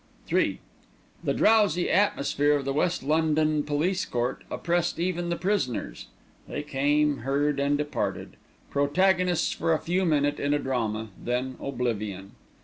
III The drowsy atmosphere of the West London Police Court oppressed even the prisoners. They came, heard, and departed; protagonists for a few minutes in a drama, then oblivion.